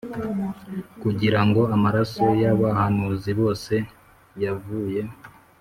kugira ngo amaraso y abahanuzi bose yavuye